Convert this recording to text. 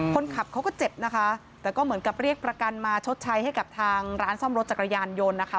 คนขับเขาก็เจ็บนะคะแต่ก็เหมือนกับเรียกประกันมาชดใช้ให้กับทางร้านซ่อมรถจักรยานยนต์นะคะ